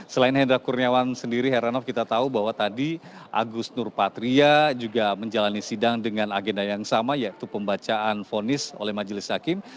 selain hendra kurniawan sendiri heranov kita tahu bahwa tadi agus nurpatria juga menjalani sidang dengan agenda yang sama yaitu pembacaan fonis oleh majelis hakim